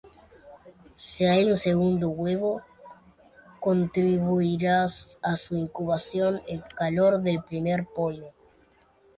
Si hay un segundo huevo contribuirá a su incubación el calor del primer pollo.